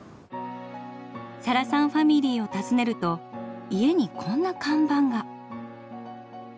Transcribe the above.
サラさんファミリーを訪ねると家にこんな看板が。